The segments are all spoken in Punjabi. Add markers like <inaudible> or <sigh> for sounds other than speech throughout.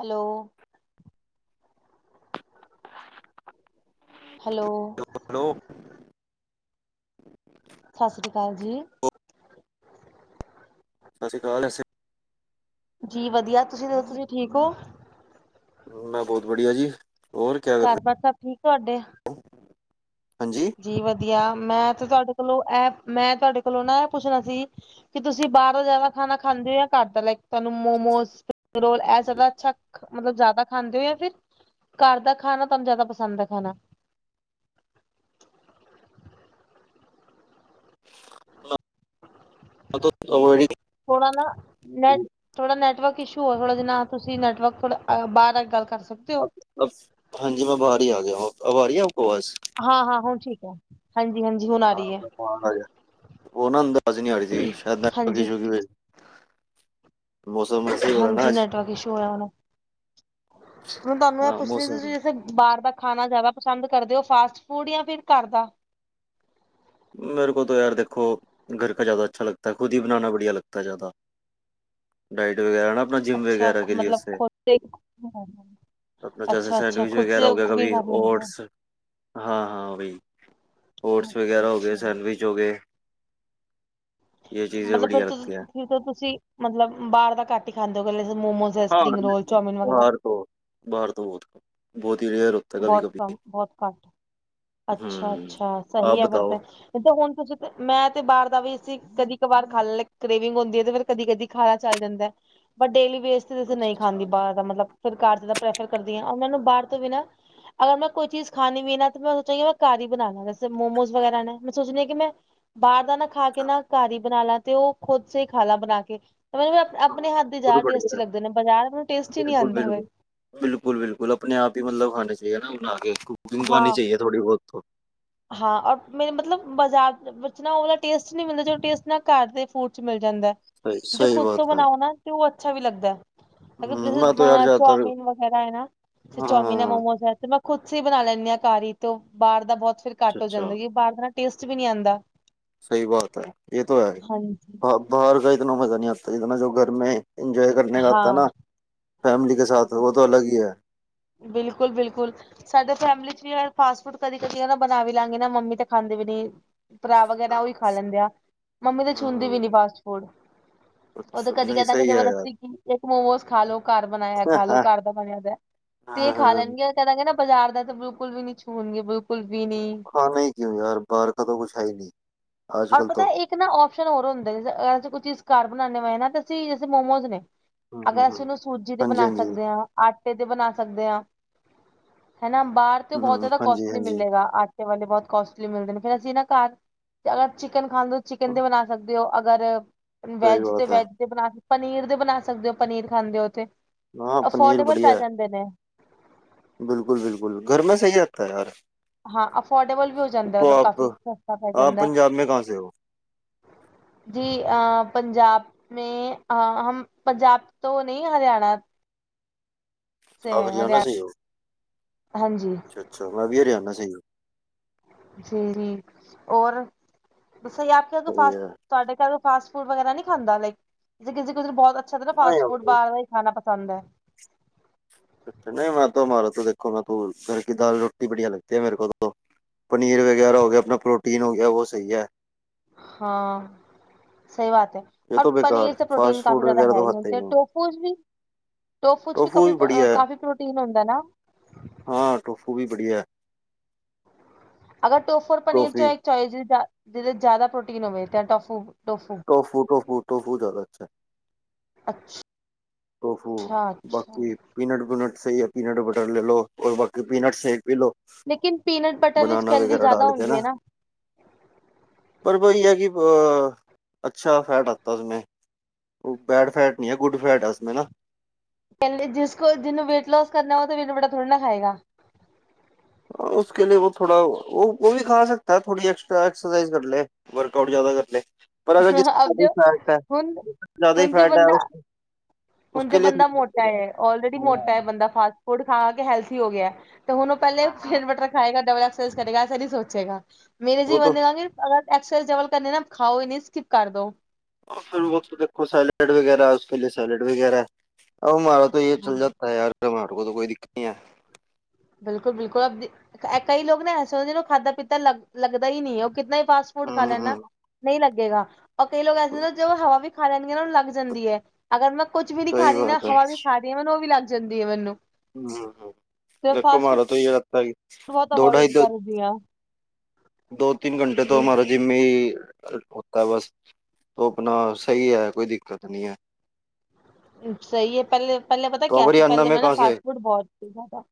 ਹੈਲੋ। ਹੈਲੋ। ਹੈਲੋ। ਸਤਿ ਸ਼੍ਰੀ ਅਕਾਲ ਜੀ। ਸਤਿ ਸ੍ਰੀ ਅਕਾਲ। ਜੀ ਵਧੀਆ ਤੁਸੀ ਦੱਸੋ ਤੁਸੀ ਠੀਕ ਹੋ? ਮੈਂ ਬੋਤ ਬੜਿਆ ਜੀ। ਹੋਰ ਕਿਆ ਕਰ ਰਹੇ ਘਰ ਬਾਰ ਸਭ ਠੀਕ ਤੁਹਾਡੇ? ਹਾਂਜੀ। ਜੀ ਵਧੀਆ। ਮੈਂ ਤੇ ਤੁਹਾਡੇ ਕੋਲੋਂ ਐ ਮੈਂ ਤੁਹਾਡੇ ਕੋਲੋਂ ਨਾ ਐ ਪੁੱਛਣਾ ਸੀ ਕਿ ਤੁਸੀ ਬਾਹਰੋਂ ਜ਼ਿਆਦਾ ਖਾਣਾ ਖਾਂਦੇ ਹੋ ਜਾਂ ਘਰ ਦਾ ਲਾਇਕ ਤੁਹਾਨੂੰ ਮੋਮੋਸ ਰੋਲ ਐ ਸਬ ਅੱਛਾ ਮਤਲਬ ਜ਼ਿਆਦਾ ਖਾਂਦੇ ਹੋ ਜਾਂ ਫਿਰ ਘਰ ਦਾ ਖਾਣਾ ਤੁਹਾਨੂੰ ਜ਼ਿਆਦਾ ਪਸੰਦ ਹੈ ਖਾਣਾ। Already. ਥੋੜਾ ਨਾ ਨੈਟ ਥੋੜਾ ਨੈਟਵਰਕ ਇਸ਼ੂ ਆ ਥੋੜਾ ਜਿ ਤੁਸੀਂ ਨੈਟਵਰਕ ਥੋੜਾ ਬਾਹਰ ਗੱਲ ਕਰ ਸਕਦੇ ਹੋ। ਹਾਂਜੀ ਮੈਂ ਬਾਹਰ ਆ ਗਿਆ ਅਬ ਆ ਰਹੀ ਆ ਆਪ ਨੂੰ ਆਵਾਸ? ਹਾਂ ਹਾਂ ਹੁ ਠੀਕ ਹੈ। ਹਾਂਜੀ ਹਾਂਜੀ। ਹੁਣ ਉਹ ਆ ਰਹੀ ਹੈ ਨਾ ਅੰਦਰੋਂ ਨਹੀਂ ਆ ਰਹੀ ਸੀ ਆਵਾਜ਼ ਸ਼ਾਇਦ ਨੈਟਵਰਕ ਹਾਂਜੀ ਇਸ਼ੂ ਸੀ ਮੌਸਮ ਹਾਂਜੀ ਨੈਟਵਰਕ ਇਸ਼ੂ ਹੋਇਆ ਹੋਣਾ। ਹੁਣ ਤੁਹਾਨੂੰ ਇਹ ਪੁੱਛ ਰੀ ਸੀ ਤੁਸੀਂ ਜਿਆਦਾ ਬਾਹਰ ਦਾ ਖਾਣਾ ਜ਼ਿਆਦਾ ਪਸੰਦ ਕਰਦੇ ਉਹ ਫਾਸਟ ਫੂਡ ਜਾਂ ਫਿਰ ਘਰ ਦਾ? ਮੇਰੇ ਕੋਲ ਤਾਂ ਯਾਰ ਦੇਖੋ ਘਰ ਜ਼ਿਆਦਾ ਅੱਛਾ ਲਗਦਾ ਹੈ ਖੁਦ ਹੀ ਬਣਾਨਾ ਬੜੀਆ ਲਗਦਾ ਹੈ ਜ਼ਿਆਦਾ। ਡਾਇਟ ਵਗੈਰਾ ਨਾ ਅੱਛਾ ਮਤਲਬ ਖੋਤੇ ਅਪਣਾ ਜੈਸੇ ਸੈਂਡਵਿਚ ਵਗੈਰਾ ਹੋ ਗਿਆ ਸਭੀ ਲੈਂਦੇ ਹੋ। ਓਟਸ ਹਾਂ ਹਾਂ ਬਈ ਓਟਸ ਅੱਛਾ ਵਗੈਰਾ ਹੋ ਗਏ ਅੱਛਾ ਸੈਂਡਵਿਚ ਹੋ ਗਏ। ਮਤਲਬ ਫੇਰ ਤੁ ਫੇਰ ਤੁਸੀਂ ਮਤਲਬ ਬਾਹਰ ਦਾ ਘੱਟ ਈ ਖਾਂਦੇ ਹੋਗੇ ਮੋਮੋਸ। ਹੈ ਹਾਂ ਸਪਰਿੰਗ ਰੋਲ ਚੌਮਿਨ ਵਗੈਰਾ ਬਾਹਰ ਤੋਂ ਬਾਰਹਰ ਤੋਂ ਬੋਹਤ ਈ ਰੇਅਰ ਬਹੁਤ ਕੰਮ ਬਹੁਤ ਘੱਟ ਅੱਛਾ ਅੱਛਾ ਸਹੀ ਹੈ ਫਿਰ ਤੇ ਤੇ ਹੁਣ ਤੁਸੀਂ ਮੈਂ ਤੇ ਬਾਹਰ ਦਾ ਵੀ ਇਸ ਕਦੀ ਕ ਵਾਰ ਖਾਣ ਲ ਕੇਵਿੰਗ ਹੁੰਦੀ ਹੈ ਤੇ ਫਿਰ ਕਦੀ ਕਦੀ ਖਾਨਾ ਚੱਲ ਜਾਂਦਾ ਬ ਡੇਲੀ ਵੇਸਟ ਕਿਸ ਦਿਨ ਨਹੀਂ ਖਾਂਦੀ ਬਾਹਰ ਦਾ ਮਤਲਬ ਫਿਰ ਘਰ ਜ ਪ੍ਰੈਫਰ ਕਰਦੀਆਂ ਉਹਨਾਂ ਨੂੰ ਬਾਹਰ ਤੋਂ ਬ ਨਾ ਅਗਰ ਮੈਂ ਕੋਈ ਚੀਜ਼ ਖਾਨੀ ਪੀ ਨਾ ਤਾਂ ਮੈਂ ਸੋਚਾਂਗੀ ਮੈਂ ਘਰ ਬਾਨਾ ਜੈਸੇ ਮੋਮੋਜ਼ ਵਗੈਰਾ ਨਾ ਮੈਂ ਸੋਚਣੀ ਕਿ ਮੈਂ ਬਾਹਰ ਦਾ ਨਾ ਖਾ ਕੇ ਨਾ ਘਰ ਹੀ ਬਣਾ ਲਾ ਤੇ ਉਹ ਖੁਦ ਸ ਖਾ ਲਾ ਬਣਾ ਕੇ ਮੈਨੂੰ ਆਪਣੇ ਹੱਥ ਦੀ ਜ਼ਿਆਦਾ ਟੇਸਟੀ ਲੱਗਦੇ ਨੇ ਬਜ਼ਾਰ ਮੈਨ ਟੇਸਟੀ ਨੀ ਆਉਂਦਾ ਹੋਵੇ। ਬਿਲਕੁਲ ਬਿਲਕੁਲ ਆਪਣੇ ਆਪ ਹੀ ਮਤਲਬ ਖਾਣੇ ਚਾਹੀਏ ਨਾ ਬਣਾ ਕੇ ਕੁੂਕਿੰਗ ਉਣੀ ਹਾਂ ਚਾਹੀਏ ਥੋੜ੍ਹੀ ਬਹੁਤ ਹਾਂ ਰ ਮੇ ਮਤਲਬ ਬਾਜ਼ਾਰ ਵਿੱਚ ਨਾ ਮਿਲਦਾ ਟੈਸਟ ਘਰ ਦੇ ਫੂਡ ਚ ਮਿਲ ਜਾਂਦਾ। ਜੋ ਖੁਦ ਤੋਂ ਬਣਾਓ ਨਾ ਤੇ ਉਹ ਅੱਛਾ ਵੀ ਲੱਗਦਾ। ਅਗਰ ਜ ਚੌਮੀਨ ਵਗੈਰਾ ਹੈ ਨਾ ਜ ਚੋਮੀਨ ਹੈ ਮੋਮੋਜ ਹੈ ਤੇ ਮੈਂ ਖੁਦ ਸ ਬਣਾ ਲੈਂਦੇ ਆ ਘਰ ਤੇ ਉਹ ਬਾਹਰ ਦਾ ਬਹੁਤ ਫਰ ਘੱਟ ਹੋ ਜਾਂਦਾ ਬਾਹਰ ਦਾ ਟੇਸਟ ਵੀ ਨਹੀਂ ਆਉਂਦਾ। ਸਹੀ ਬਾਤ ਹੈ ਇਹ ਤਾਂ ਹੈ ਬਾਹਰ ਕ ਇਤਨਾ ਮਜ਼ਾ ਨਹੀਂ ਆਤਾ ਜਤਨਾ ਜੋ ਘਰਮੇ ਇੰਜੋਏ ਕਰਨ ਕ ਆਤਾ ਨਾ ਹਾਂ ਫੈਮਲੀ ਕੇ ਸਾਥ ਉਹ ਤਾਂ ਅਲਗ ਹੀ ਹੈ। ਬਿਲਕੁਲ ਬਿਲਕੁਲ। ਸਾਡੇ ਫੈਮਿਲੀ ਚ ਵੀ ਫਾਸਟ ਫੂਡ ਕਦੀ ਕਦੀ ਨਾ ਬਣਾ ਵੀ ਲਵਾਂਗੇ ਨਾ ਮੰਮੀ ਤੇ ਖਾਂਦੇ ਵੀ ਨਹੀਂ। ਭਰਾ ਵਗੈਰਾ ਉਹਹੀ ਖਾ ਲੈਂਦੇ ਆ ਮੰਮੀ ਤਾਂ ਛੂਦੀ ਵੀ ਨੀ ਫਾਸਟ ਫੂਡ। ਉਹ ਤਾਂ ਕਦੀ ਕਹਿ ਦਾਂਗੇ ਜਬਰਦਸਤੀ ਇੱਕ ਮੋਮੋਸ ਖਾ ਲੋ ਘਰ ਬਣਾਇਆ ਖਾ ਲੋੋ ਘਰ ਦਾ ਬਣਿਆ ਦੇ। ਤੇ ਇਹ ਖਾ ਲੈਣਗੇ ਕਹ ਦਾਂਗੇ ਨਾ ਬਾਜ਼ਾਰ ਦਾ ਤਾਂ ਬਿਲਕੁਲ ਵੀ ਨੀ ਛੂਣਗੇ ਬਿਲਕੁਲ। ਵੀ ਨੀ ਖਾਣਾ ਹੀ ਕਿਉਂ ਯਾਰ ਬਾਹਰ ਕਦੋਂ ਕੁਛ ਹੈ ਹੀ ਨਹੀਂ। ਔਰ ਪਤਾ ਇੱਕ ਨਾ ਓਪਸ਼ਨ ਹੋਰ ਹੁੰਦੇ ਨੇ ਜ ਅ ਅਸੀਂ ਕੋਈ ਚੀਜ਼ ਘਰ ਬਣਾਉਣੇ ਪਏ ਹਨਾ ਤਾ ਅਸੀਂ ਜੇ ਮੋਮੋਸ ਨੇ ਅਗਰ ਅਸੀਂ ਉਹਨੂੰ ਸੂਜੀ ਦੇ ਬਣਾ ਸਕਦੇ ਹਾਂ। ਆਟੇ ਤੇ ਬਣਾ ਸਕਦੇ ਹਾਂ ਹਨਾ ਬਾਹਰ ਤੇ ਬਹੁਤ ਜ਼ਿਆਦਾ ਕੋਸਟਲੀ ਮਿਲੇਗਾ ਆਟ ਵਾਲੇ ਬਹੁਤ ਕੋਸਟਲੀ ਮਿਲਦੇ ਨੇ ਫੇਰ ਅਸੀਂ ਨਾ ਘਰ ਅਗਰ ਚਿਕਨ ਖਾਂਦੇ ਹੋ ਚਿਕਨ ਤੇ ਬਣਾ ਸਕਦੇ ਹੋ ਅਗਰ ਵੈੱਜ ਤੇ ਵੈਜ ਬਣਾ ਪਨੀਰ ਦੇ ਬਣਾ ਸਕਦੇ ਹੋ ਪਨੀਰ ਖਾਂਦੇ ਹੋ ਤੇ ਅਫੋਰਡੇਬਲ ਪੈ ਜਾਂਦੇ ਨੇ। ਬਿਲਕੁਲ ਬਿਲਕੁਲ ਘਰ ਮੈਂ ਸਹੀ ਆਤਾ ਯਾਰ। ਹਾਂ ਅਫੋਰਡੇਬਲ ਵੀ ਹੋ ਜਾਂਦਾ ਮਤਲਬ ਕਾਫੀ ਸਸਤਾ ਪੈ ਜਾਂਦਾ। ਜੀ ਅ ਪੰਜਾਬ ਮੈਂ ਅ ਹਮ ਪੰਜਾਬ ਤੋਂ ਨਹੀਂ ਹਰਿਆਣਾ ਆਪ ਹਰਿਆਣਾ ਸੇ ਉਹ ਅੱਛਾ, ਅੱਛਾ ਮੈਂ ਵੀ ਹਰਿਆਣਾ ਸੇ ਹੁ ਜੀ ਜ ਔਰ ਬ ਸਹੀ ਆਪ ਕੇ ਫਾਸਟ ਤੁਹਾਡੇ ਘਰ ਫਾਸਟ ਫੂਡ ਵਗੈਰਾ ਨ ਨਹੀਂ ਖਦਾ ਲਾਈਕ ਕਿਸੇ ਬਹੁਤ ਅੱਛਾ ਨਾ ਫਾਸਟ ਫੂਡ ਬਾਹਰ ਖਾਣਾ ਪਸੰਦ ਹੈ। ਅੱਛਾ ਨਹੀਂ। ਮੈਂ ਤਾਂ ਮਾਰਾ। ਤੂੰ ਦੇਖੋ। ਮੈਂ ਤੂੰ ਘਰ ਕੀ ਦਾਲ ਰੋਟੀ ਬੜੀਆ ਲੱਗਦੀ ਹੈ ਮੇਰੇ ਕੋ ਤੋ ਪਨੀਰ ਵਗੈਰਾ ਹੋ ਗਿਆ। ਆਪਣਾ ਪ੍ਰੋਟੀਨ ਹੋ ਗਿਆ। ਉਹ ਸਹੀ ਹੈ। ਹਾਂ। ਸਹੀ ਬਾਤ ਹੈ। ਔਰ। ਪਨੀਰ ਤੇ ਪ੍ਰੋਟੀਨ ਕਾਫੀ ਜ਼ਿਆਦਾ ਹੁੰਦੀ ਹੈ। ਟੋਫੂਸ ਵੀ। ਟੋਫੂ ਵੀ ਕਾਫੀ ਕਾਫੀ ਪ੍ਰੋਟੀਨ ਹੁੰਦਾ ਹੈ ਨਾ। ਹਾਂ। ਟੋਫੂ ਵੀ ਬੜੀਆ। ਅਗਰ ਟੋਫੋਰ ਪਨੀਰ ਚੋ। ਜਿਹਦੇ ਜ਼ਿਆਦਾ ਪ੍ਰੋਟੀਨ ਹੋਵੇ। ਟੋਫੂ। ਟੋਫੂ, ਟੋਫੂ, ਟੋਫੂ ਜਾਦਾ ਅਸ਼ਾ ਹੈ। ਅੱਛਾ। ਟੋਫੂ ਅੱਛਾ ਬਾਕੀ। ਪੀਨਟ, ਪੀਨਟ ਸਹੀ ਹੈ। ਪੀਨਟ ਬਟਰ ਲੈ ਲੋ, ਬਾਕੀ ਪੀਨਟ ਸਹੀ ਪੀ ਲੋ। ਲੇਕਿਨ ਪੀਨਟ ਬਟਰ ਵਿੱਚ ਕੈਲਰੀ ਜ਼ਿਆਦਾ ਹੁੰਦੀ ਹੈ ਨਾ। ਪਰ ਬਹੀ ਹੈ ਕਿ ਅੱਛਾ ਫੈਟ ਆਤਾ ਉਸਮੇ ਉਹ ਬੈਡ ਫੈਟ ਨਹੀ ਹੈ ਗੁਡ ਫੈਟ ਕਹਿੰਦੇ ਜਿਸ ਕੋ ਜਿਹਨੂੰ ਵੇਟ ਲੋਸ ਕਰਨਾ ਹੋ ਤਾਂ ਵੇਟ ਨੂੰ ਬੜਾਥੋੜ੍ਹਾ ਨਾ ਖਾਏਗਾ। ਹਾਂ। ਉਸ ਤੋ ਬਾਅਦ ਵੀ ਖਾ ਸਕਦਾ। ਬੇੜੀ। ਐਕਸਟਰਾ ਐਕਸਰਸਾਈਜ਼ ਕਰ ਲੈ। ਵਰਕ ਆਊਟ ਜ਼ਿਆਦਾ ਕਰ ਲੈ ਪਰ ਅਗਰ ਜੇ ਅਬ ਜੋ ਫੈਟ ਹੈ। ਹੁਣ ਜ਼ਿਆਦਾ ਹੀ ਹੁਣ ਜੋ ਫੈਟ ਹੈ। ਬੰਦਾ ਹੁਣ ਜੇ ਬੰਦਾ ਮੋਟਾ ਹੈ। ੳਲਰੇਡੀ ਮੋਟਾ ਹੈ। ਬੰਦਾ ਫਾਸਟ ਫੂਡ ਖਾ ਕੇ ਹੈਲਥੀ ਹੋ ਗਿਆ ਤੇ ਹੁਣ। ਪਹਿਲੇ ਪਿਨ ਬਟਰ ਖਾਏਗਾ। ਡਬਲ ਐਕਸ ਕਰੇਗਾ ਫਿਰ ਹੀ ਸੋਚੇਗਾ ਮੇਰੇ ਜੀ ਬੰਦੇਗਾਗੇ। ਅਗਰ ਐਕਸਚੇਂਜ ਡਬਲ ਕਰਣੇ ਨਾ ਖਾਓ ਨ ਸਕਿਪ ਕਰ ਦੋ। ਫਿਰ ਵ ਦੇਖੋ ਸੈਲਡ ਵਗੈਰਾ ਉਸ ਲ ਸੈਲਡ ਵਗੈਰਾ। ਮਮਾਰਾ ਤੋ ਇਹ ਹਾਂ ਚੱਲ ਜਾਤਾ ਹੈ ਯਾਰ ਤੁਮਾਰੋ ਕੋਲ ਕੋਈ ਦਿੱਕਤ ਨਹੀਂ ਹੈ। ਬਿਲਕੁਲ, ਬਿਲਕੁਲ ਕਈ ਲੋਕ ਨਾ ਐ ਸੋਚਦੇ ੳ ਖਾਧਾ ਪੀਤਾ ਲ ਲੱਗਦਾ ਹੀ ਨਹੀਂ ਹੈ। ਉਹ ਕਿੰਨਾ। ਫਾਸਟ ਫੂਡ ਖਾ ਲੈਣਾ ਨਹੀਂ ਲੱਗੇਗਾ ਅਕੇਲੇ ਜੌ ਐਸੇ ਜੋ ਹਵਾ ਵੀ। ਖਾ ਲੈਂਦੀ ਆ ਨਾ ਨੂੰ ਲੱਗ ਜਾਂਦੀ ਹੈ। ਅਗਰ ਮੈਂ ਕੁੱਝ ਵੀ ਨੀ ਖਾ ਰਹੀ। ਨਾ ਹਵਾ ਵੀ ਖਾ ਰ ਹਾਂ। ਮੈਨੂੰ ਉਹ ਵੀ ਲੱਗ ਜਾਂਦੀ ਹੈ ਮੈਨੂੰ। ਹਮ ਹਮ। ਤੇ ਲੱਕ ਫਾਸਟ ਫੂਡ ਮਾਰ ਤੋਂ ਇਹ ਰੱਤਗੀ। ਬਹੁਤ ਦੋ ਢਾਈ ਅਵੋਇਡ ਕਰਦੀ ਹਾਂ ਦੋ ਤਿੰਨ ਘੰਟੇ ਤੋਂ ਹਮਾਰਾ ਜੀ। ਜਿੰਮੀ ਹੋਤਾ ਬਸ ਉਹ ਆਪਣਾ ਸਹੀ ਹੈ। ਕੋਈ ਦਿੱਕਤ ਨੀ ਹੈ। ਸਹੀ ਹੈ ਪਹਿਲੇ ਪਹਿਲੇ ਪਤਾ ਕਿਆ ਸੀ। ਪਹਿਲੇ ਮੈਂ ਨਾ ਫਾਸਟ ਫੂਡ ਬਹੁਤ ਸੀ ਜ਼ਿਆਦਾ।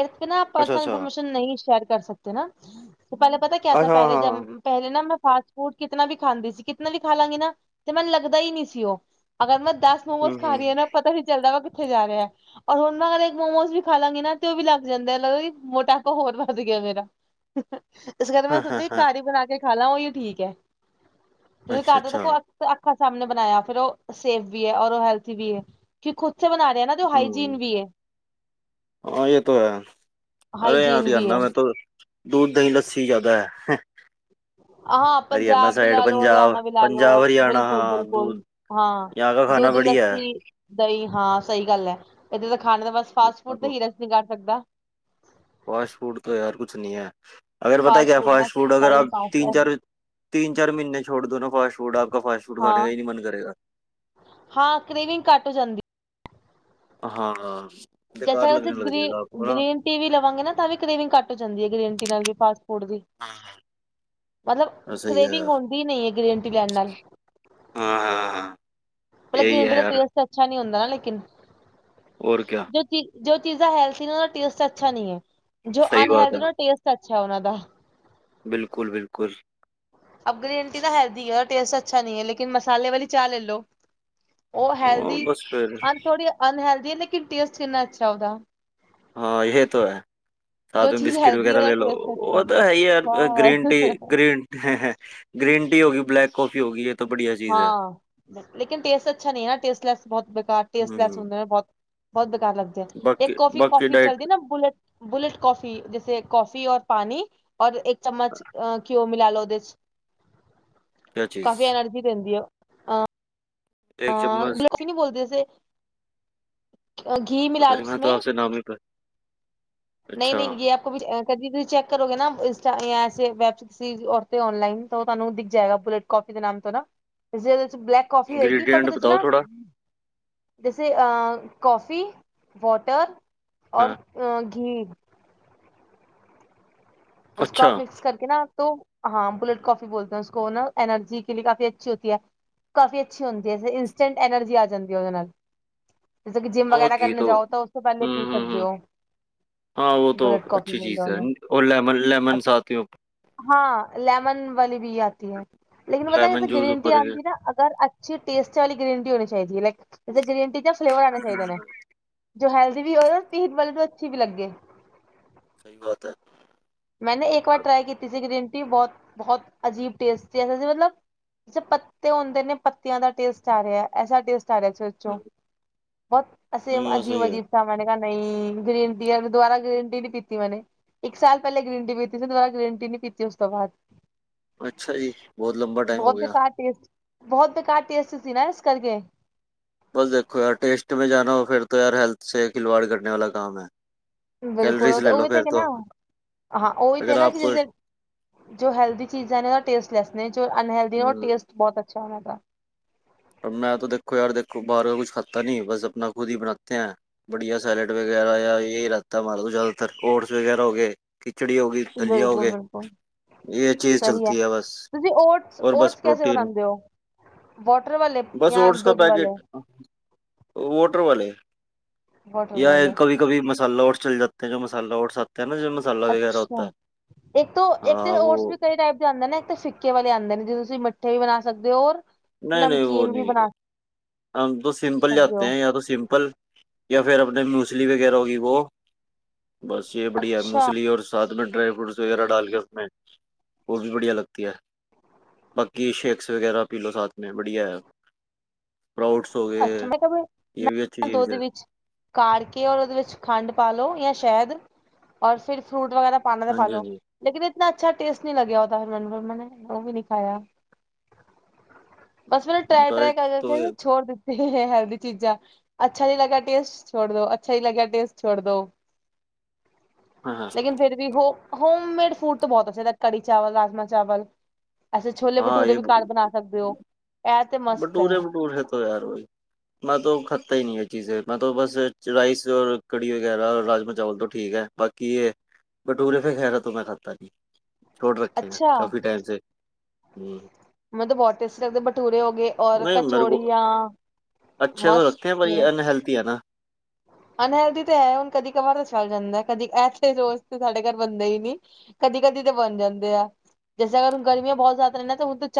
ਇਰਤ ਨਾ ਪਰਸਨਲ ਇਨਫੋਰਮੇਸ਼ਨ ਨਹੀ ਸ਼ੇਅਰ ਕਰ ਸਕਦੇ ਨਾ ਪਹਿਲੇ ਪਤਾ ਕਿਆ ਸੀ ਪਹਿਲੇ ਜੀ। ਪਹਿਲੇ ਨਾ ਮੈਂ ਫਾਸਟ ਫੂਡ ਕਿਤਨਾ ਵੀ ਖਾਂਦੀ ਸੀ। ਕਿਤਨਾ ਵੀ ਖਾ ਲਾਂਗੀ ਨਾ। ਤੇ ਮੈਨੂੰ ਲੱਗਦਾ ਹੀ ਨਹੀਂ ਸੀ, ਉਹ। ਅਗਰ ਮੈਂ ਦਸ ਮੋਮੋਸ ਖਾ ਰਹੀ ਹ ਨਾ ਪਤਾ ਨ ਚੱਲਦਾ ਵਾ ਕਿੱਥੇ ਜਾ ਰਿਹਾ। ਔਰ ਹੁਣ ਮੈਂ ਅਗ ਇੱਕ ਮੋਮੋਸ ਵੀ ਖਾ ਲਾਂਗੀ ਨਾ। ਤੇ ਉਹ ਵੀ ਲੱਗ ਜਾਂਦਾ। ਲਗ ਵੀ। ਮੋਟਾਪਾ ਹੋਰ ਵਧ ਗਿਆ ਮੇਰਾ। ਇਸ ਕਰਕੇ ਮੈਂ ਸੋਚੀ ਘਰ ਹੀ ਬਣਾ ਕੇ ਖਾ ਲਾ। ਉਹੀ ਓ ਠੀਕ ਹੈ। ਜਦੋਂ ਘਰ ਦੇ ਦੇਖੋ ਤ ਉਹ ਅੱਖਾਂ ਸਾਹਮਣੇ ਬਣਾਇਆ। ਫੇਿਰ ਉਹ ਸੇਫ ਵੀ ਹੈ। ਹੈਲਥ ਵੀ ਹੈ। ਕਿਉ ਖੁਦ ਬਣਾ ਰਹਾ ਨਾ ਜੋ ਹਾਈਜੀਨ ਵੀ ਹੈ। ਹਾਂ। ਇਹ ਤਾਂ ਹੈ। ਅਰੇ ਵੀ ਹਰਿਆਣਾ। ਹੈ ਮੈਂ ਤਾਂ ਦੂਧ ਦਹੀਂ ਲੱਸੀ ਜ਼ਿਆਦਾ ਹੈ। ਹਾਂ। ਪੰਜਾਬ ਵੀ ਲਾ ਲੋ। ਹਰਿਆਣਾ ਵੀ ਲਾ ਲੋ। ਬਿਲਕੁਲ ਬਿਲਕੁਲ। ਹਾਂ ਦੁੱਧ ਲੱਸੀ। ਦਹੀਂ। ਹਾਂ। ਸਹੀ ਗੱਲ ਹੈ। ਇੱਦਾਂ ਤਾਂ ਖਾਣੇ ਦਾ ਬਸ ਫਾਸਟ ਫੂਡ ਤਾਂ ਹੀ ਰਸ ਨਹੀਂ ਕਰ ਸਕਦਾ। ਫਾਸਟ ਫੂਡ ਤੋਂ ਯਾਰ। ਕੁਛ ਨਹੀਂ ਹੈ ਅਗਰ ਪਤਾ ਕਿਆ ਦਾ ਫਾਸਟ ਫੂਡ ਅਗਰ ਟਾਈਮ ਆਪ ਪਾਸ ਤਿੰਨ ਹੈ ਚਾਰ। ਤਿੰਨ ਚਾਰ ਮਹੀਨੇ ਛੜ ਦੋ ਨਾ ਫਾਸਟ ਫੂਡ ਆਪ ਕਾ ਫਾਸਟ ਫੂਡ ਖਾਨੇ ਹਾਂ ਕਾ ਹੀ ਮਨ ਨਹੀਂ ਮਨ ਕਰੇਗਾ। ਹਾਂ ਕਰ੍ਰੇਵਿੰਗ ਘੱਟ ਹੋ ਜਾਂਦੀ। ਹਾਂ। ਜੈਸਾੈਸੇ ਗ੍ਰੀਨ ਗ੍ਰੀਨ। ਟੀ ਵੀ ਲਵਾਂਗੇ ਨਾ। ਤਾਂ ਵੀ ਕਰ੍ਰੇਵਿੰਗ ਘੱਟ ਜਾਂਦੀ ਹੈ। ਗ੍ਰਟੀ ਨਾਲ ਵੀ ਫਾਸਟ ਫੂਡ ਦੀ। ਮਤਲਬ ਕਰੇਵਿੰਗ ਹੁੰਦੀ ਨਹੀਂ ਹੈ। ਗ੍ਰਨ ਟੀ ਲੈਣ ਨਾਲ। ਹਾਂ ਹਾਂ ਹਾਂ। ਮਤਲਬ ਗਰੰਟੀ ਦਾ ਟੇਸਟ ਤਾਂ ਅੱਛਾ ਨਹੀਂ ਹੁੰਦਾ ਨਾ ਲੇਕਿਨ ਹੋਰ ਕਿਆ। ਜੋ ਚੀਜ਼ਾਂ ਹੈਲਥ ਨੇ ਉਹ ਦਾ ਟੇਸਟ ਅੱਛਾ ਨੀ ਹੈ ਜੋ ਅਨਹਲਥ ਟੇਸਟ ਅੱਛਾ ਉਹਨਾਂ ਦਾ। ਬਿਲਕੁਲ ਬਿਲਕੁਲ। ਅਬ ਗ੍ਰਨਟੀ ਨਾ ਹੈਲਦੀ ਹੈ ਰੇਸਟ ਅੱਛਾ ਨਹੀਂ ਹੈ ਲੇਨ ਮਸਾਲੇ ਵਾਲੀ ਚਾਹ ਲੈ ਲੋ। ਉਹ ਹੈਲਦੀ ਅ ਥੋੜ੍ਹੀ ਅਨਹਲਦੀ ਲੇਕਿਨ ਟੇਸਟ ਕਿੰਨਾ ਅਛਾ ਉਹਦਾ। ਹਾਂ ਇਹ ਤਾਂ ਹੈ। ਸਾਥ ਬਿਸਕਿਟ ਵਗੈਰਾ ਲੈ ਲਓ ਉਹ ਤਾਂ ਹੈ ਹੀ ਯਾਰ ਗ੍ਰੀਨ ਟੀ ਗ੍ਰੀਨ ਹੈ ਹੈ ਗ੍ਰੀਨ ਟੀ ਹੋ ਗੀ ਬਲੈਕ ਕੌਫੀ ਹੋ ਗੀ ਇਹ ਹਾਂ ਲੇਕਿਨ ਟੇਸਟ ਅੱਛਾ ਨਹੀਂ ਹੈ ਨਾ ਟੇਸਟ ਲੈਸ ਬਹੁਤ ਬੇਕਾਰ ਟਸਟ ਲੈਸ ਹੁੰਦਾ ਬਹੁਤ। ਬਹੁਤ ਬੇਕਾਰ ਲੱਗਦਾ ਇੱਕ ਕਫੀ ਕਫੀ ਚੱਲਦੀ ਨਾ ਬੁਲੇਟ ਬੁਲੇਟ ਕੌਫੀ ਜੈੇ ਕੌਫੀ ਔਰ ਪਣੀ ਰ ਇੱਕ ਚਮਚ ਘਿਓ ਪਾਂ ਲੋ ਉਹਦੇ ਚ ਕਾਫੀ ਐਨਰਜੀ ਦਿੰਦੀ। ਹਾ ਬਲਾਸੀ ਨਿ ਬੋਲਦੇੇ ਅਸੀ ਘੀ ਮਿਲਾ ਲ ਉਸ 'ਚ। ਨਾ ਮਿਲ ਕਰ ਨਹੀਂ ਨਹੀਂ। ਯ ਆਪ ਕਦੀ ਕ ਚੈੱਕ ਕਰੋਗੇ ਨਾ। ਇੰਟਾੇ ਵੈਬ। ਰ ਓਨਲਾਈਨ ਤੁਹਾਨੂੰ ਦਿਖ ਜਾਏਗਾ। ਬੁਲੇਟ ਕੰਪਨੀ ਦੇ ਨਾਮ ਤੋਂ। ਨਾਲੇ ਬਲੈਕ। ਕਫੀ ਹੋਏਗੀ। ਬਟ ਉਹਦੇ 'ਚ ਨਾ। ਜੈਸੇ ਅ ਕੌਫੀ ਵਾਟਰ ਔਰ ਅਹ ਘੀ। ਉਸਕੋ ਆਪ ਮਿਕਸ ਕਰਕੇ ਨਾ ਤੋ ਹਾਂ ਬੁਲੇਟ ਕੌਫੀ ਬੋਲਦੇ ਹ ਉਸੋ ਨਾ ਐਨਰਜੀ ਕੇ ਕਾਫ਼ੀ ਅੱਛੀ ਹੋਤੀ ਹੈ। ਕਾਫੀ ਅੱਛੀ ਹੁੰਦੀ ਹੈ ਇੰਸਟੈਂਟ ਐਨਰਜੀ ਆ ਜਾਂਦੀ ਹੈ ਉਹਦੇ ਨਾਲ। ਜਿੱਂ ਕਿ ਜਿੰਮ ਵਗੈਰਾ ਕਰਨ ਜਾਓ ਤਾਂ ਉਸ ਤੋਂ ਪਹਿਲੇ ਪੀ ਸਕਦੇ ਹੋ। ਹਾਂ ਉਹ ਤਾਂ ਅੱਛੀ ਚੀਜ਼ ਹੈ ਉਹ ਲੈਮਨ ਲੈਮਨਸ ਆਤੀ। ਹਾਂ ਲੈਮਨ ਵਾਲੀ ਵੀ ਆਤੀ ਹੈ ਲਕਨ ਬਤਾ ਜੇ ਗ੍ਰੀਨ ਟੀ ਆਉਂਦੀ ਨਾ ਅਗਰ ਅ ਅ ਟੇਸਟੀ ਵਾਲੀ ਗ੍ਰੀਨ ਟੀ ਹੋਣੀ ਚਾਹੀਦੀ ਹੈ ਲਕ ਗ੍ਰੀਨ ਟੀ ਦੇ ਫਲੇਵਰ ਆਣੇ ਚਾਹੀਦੇ ਨੇ। ਜੋ ਹੈਲਦੀ ਵੀ ਹੋਏ ਰ ਪੀਣ ਵਾਲੇ ਤੋਂ ਅੱਛੀ ਵੀ ਲੱਗੇ। ਸਹੀ ਬਾਤ ਹੈ। ਮੈਂਨੇ ਇੱਕ ਵਾਰ ਟ੍ਰਈ ਕੀਤੀ ਸੀ ਗ੍ਰੀਨ ਟੀ ਬਹੁਤ ਬਹੁਤ ਅਜੀਬ ਟੇਸਟ ਸੀ ਮਤਲਬ ਜੇ ਪੱਤੇ ਹੁੰਦੇ ਨੇ ਪੱਤਿਆਂ ਦਾ ਟੇਸਟ ਆ ਰਿਹਾ ਐਸਾ ਟੇਸਟ ਆ ਰਿਹਾ ਉਸ ਵਿੱਚ ੋ ਬਹੁਤ ਅਸੀਂ ਅਜੀਬ ਅਜੀਬ ਮੈਂਨ ਕਿਹਾ ਨਹੀਂ ਗ੍ਰੀਨ ਟੀ ਦੁਬਾਰਾ ਗ੍ਰੀਨ ਟੀ ਨੀ ਪੀਤੀ ਮੈਂਨੇ ਇੱਕ ਸਾਲ ਪਹਿਲੇ ਗ੍ਰੀਨਟੀ ਪੀਤੀ ਸੀ ਦ ਬਾਅਦ ਗ੍ਰਨ ਟੀਤੀ ਉਸ ਤੋਂ ਬਾਅਦ। ਅੱਛਾ ਜੀ, ਬਹੁਤ ਲੰਬਾ ਟਾਈਮ ਹੋ ਗਿਆ। ੱ ਅ। <unintelligible> ਬਹੁਤ ਬੇਕਾਰ ਟੇਸਟ ਸੀ ਨਾ ਇਸ ਕਰਕੇ। ਬਸ ਦੇਖੋ ਯਾਰ ਟੇਸਟ ਮੈਂ ਜਾਨਾ ਹੋ, ਫਿਰ ਯਾਰ ਹੈਲਥ ਖਿਲਵਾੜ ਕਰਨੇ ਵਾਲਾ ਕੰਮ ਹੈ। ਬਿਲਕੁਲ ਉਹ ਤੇ ਉਹੀੱਥੇ ਕਿ ਨਾ ਹਾਂ ਉਹਹੀਥੇ ਨਾ ਕਿ ਜੇ ਜੋ ਹੈਲਦੀ ਚੀਜ਼ਾਂ ਨੇ ਟੇਸਟ ਲੈਸ ਨੇ, ਜੋ ਅਨਹਲਦੀ ਨੇ ਉਹ ਟੇਸਟ ਬਹੁਤ ਅੱਛਾ ਉਹਨਾਂ ਦਾ। ਪਰ ਮੈਂ ਤਾਂ ਦੇਖੋ ਯਾਰ ਦੇਖੋ ਬਾਹਰ ਕੁਛ ਖਾਤਾ ਨੀ ਬਸ ਆਪਣਾ ਖੁਦ ਹੀ ਬਣਾਤੇ ਹੈਂ। ਵਧੀਆ ਸੈਲਡ ਵਗੈਰਾ ਆ ਇਹੀ ਰਹਿਤਾ ਹਮਾਰਾ ਜ਼ਿਆਦਾਤਰ ਓਟਸ ਵਗੈਰਾ ਹੋ ਗਏ ਖਿਚੜੀ ਹੋ ਗਈ, ਦਲੀਆ ਹੋ ਬਿਲਕੁਲ ਗਏ। ਬਿਲਕੁਲ ਇਹ ਚੀਜ਼ ਚੱਲਤੀ ਹੈ ਬਸ ਤੁਸੀਂ ਓਟਸ ਔਰ ਬਸ ਓਟਸ ਕੈਸੇ ਪ੍ਰੋਟੀਨ ਬਣਾਉਂਦੇ ਹੋ ਵਾਟਰ ਵਾਲੇ ਬਸ ਜਾਂ ਓਟਸ ਕਾ ਦੁੱਧ ਵਾਲੇ ਪੈਕੇਟ ਵੋਟਰ ਵਾਲੇ। ਬਟ। ਕੀ ਕਭੀ ਮਸਾਲਾ ਔਟਸ ਚਲ ਜਾਤੇ ਜ ਜੋ ਮਸਾਲਾ ਔਟਸ ਆਤੇ ਹੈ ਨਾ ਜ ਅੱਛਾ ਇੱਕ ਤੋਂ ਇੱਕ ਤੇ ੳਟਸ ਵੀ ਕਈ ਟਾਈਪ ਦੇ ਆਉਂਦੇ ਨਾ ਇੱਕ ਫ ਕੇ ਵਾਲੇ ਆਉਂਦੇ ਨੇ ਜਿਦੋਂ ਤੁਸੀਂ ਮਿੱਠੇ ਵੀ ਬਣਾ ਸਕਦੇ ਹੋਰ ਨਹੀਂ, ਨਹੀਂ ਉਹ ਨਹੀਂ। ਹਮ ਤੋ ਸਿੰਪਲ ਸਕਦੇ ਲਾਤੇ ਹੋ ਹੈ ਜਾਂ ਤਾਂ ਸਿੰਪਲ ਜਾਂ ਫਿਰ ਆਪਣੇ ਮੂਸਲੀ ਵਗੈਰਾ ਹੋ ਗਈ ਉਹ ਬਸ ਇਹ ਬੜੀਆ ਅੱਛਾ ਮੂਸਲੀ ਔਰ ਸਾਥੈਂ ਡਰਾਈ ਫਰੂਟਸ ਵਗੈਰਾ ਡਾਲ ਕੇ ਉਸੇ ਉਹ ਵੀ ਬੜੀਆ ਲਗਤੀ ਹੈ। ਬਾਕੀ ਸ਼ੇਕਸ ਵਗੈਰਾ ਪੀ ਲੋ ਸਾਥ ਮੇ ਵਧੀਆ ਹੈ। ਪ੍ਰ ਅੱਛਾ। ਮੈਂ ਕਿਹਾ, ਮੈਂ ਦੁੱਧ ਦੇ ਵਿੱਚ ਕਾੜ ਕੇ ਔਰ ਉਹਦੇ ਵਿੱਚ ਖੰਡ ਪਾ ਲਓ ਜਾਂ ਸ਼ਹਿਦ, ਔਰ ਫਿਰ ਫਰੂਟ ਵਗੈਰਾ ਪਾਣਾ ਤੇ ਪਾ ਲੋਓ। ਲੇਕਿਨ ਇਤਨਾ ਅੱਛਾ ਟੇਸਟ ਨਹੀਂ ਲਗਿਆ। ਹੋਦਾ ਫਿਰ ਮਨ ਮੈਂ ਉਹ ਵੀ ਨਹੀਂ ਖਾਇਆ। ਬਸ ਮਾਨੂੰ ਟਰਾਏ- ਟਰਾਈ ਕਰਕੇ ਛੋੜ ਦਿੱਤੀ ਹੈਲਦੀ ਚੀਜ਼ਾਂ ਅੱਛਾ ਨਹੀਂ ਲੱਗਾ ਟੇਸਟ ਛੋੜ ਦੋ। ਅੱਛਾ ਨਹੀਂ ਲਗਾ ਟੇਸਟ ਛੋੜ ਦੋ। ਲੇਕਿਨ ਫਿਰ ਵੀ ਹੋ ਹੋਮ ਮੇਡ ਫੂਡ ਤਾਂ ਬਹੁਤ ਚਾਹੀਦਾ ਕੜੀ- ਚਾਵਲ, ਰਾਜਮਾ- ਚਾਵਲ। ਅਸੀਂ ਛੋਲੇ -ਭਟੂਰੇ ਵੀ ਘਰ ਬਣਾ ਸਕਦੇ ਹੋ। ਇਹ ਤੇ ਮਸਤ ਹੈ। ਯਾਰ ਹੋ ਮੈਂ ਤ ਖੱਤਾ ਹੀ ਨਹੀਂ ਹੈ। ਚੀਜ਼ ਮੈਂ ਬਸ ਰਾਈਸ ਰ ਕੜੀ ਵਗੈਰਾ ਰਾਜਮ- ਚਾਵਲ ਤੋਂ ਠੀਕ ਹੈ। ਬਾਕੀ ਇਹ ਬਟੂਰੇੇ ਫੇ ਖਹਿਰਾ ਤੋਂ ਮੈਂ ਖਾਤਾ ਨ, ਛੋੜ ਰੱਖੇ, ਅੱਛਾ ਕਾਫੀ ਟਾਈਮ ਸੇ ਹਮ। ਮੈਨੂੰ ਬਹੁਤ ਟੇਸਟੀ ਲੱਗਦੇ ਬਟੂਰੇ ਹੋ ਗਏ ਔਰ ਕਚੋੜੀਆਂ ਮਸਤ ਹੈ। ਅਨਹਲਦੀ ਤਾਂ ਹੈ ਹੁਣ ਕਦੀ ਕਬਰ ਤਾਂ ਚੱਲ ਜਾਂਦਾ ਕਦੀ ਐਸੇ ਰੋਸ ਤੇ ਸਾਡੇ ਘਰ ਬੰਦੇ ਹੀ ਨਹੀਂ ਕਦੀ ਕਦੀ ਤਾਂ ਬਣ ਜਾਂਦੇ ਆ, ਜੈਸੇ ਅਗਰ ਹੁਣ ਗਰਮੀਆਂ ਬਹੁਤ ਜ਼ਿਆਦਾ ਰਹ ਹੁਣ ਤਾਂ